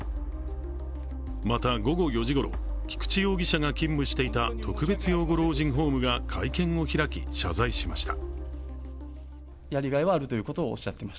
また、午後４時ごろ、菊池容疑者が勤務していた特別養護老人ホームが会見を開き、謝罪しました。